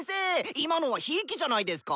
今のはひいきじゃないですか？